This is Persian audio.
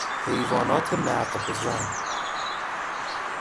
حیوانات نقب زن